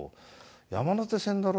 「山手線だろ？」